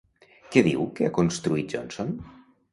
Què diu que ha construït Johnson?